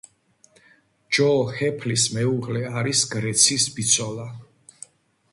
ჯო ჰეფლის მეუღლე არის გრეგის ბიცოლა.